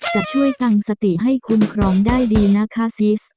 จะช่วยตั้งสติให้คุ้มครองได้ดีนะคะซิส